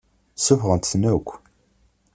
Suffɣet-ten akk.